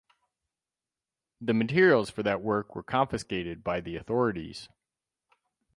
The materials for that work were confiscated by the authorities.